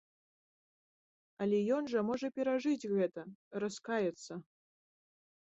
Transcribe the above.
Але ён жа можа перажыць гэта, раскаяцца.